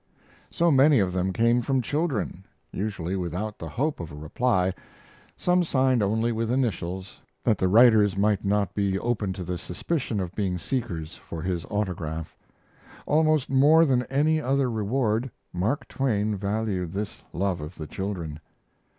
So many of them came from children, usually without the hope of a reply, some signed only with initials, that the writers might not be open to the suspicion of being seekers for his autograph. Almost more than any other reward, Mark Twain valued this love of the children.